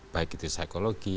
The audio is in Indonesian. baik itu psikologi